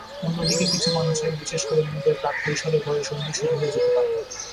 অন্যদিকে কিছু মানুষের, বিশেষ করে মেয়েদের প্রাক-কৈশোরেই বয়ঃসন্ধি শুরু হয়ে যেতে পারে।